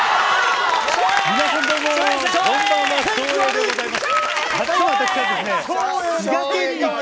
皆さん、どうもこんばんは、照英でございます。